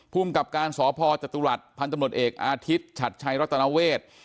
ภูมิกับการสพจตุรัสพันธุ์ตำรวจเอกอาทิตย์ฉัดชัยรัตนเวท